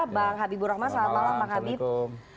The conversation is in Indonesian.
bang habibur rahma selamat malam